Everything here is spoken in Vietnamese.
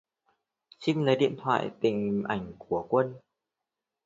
Trinh lấy điện thoại Tìm ảnh của quân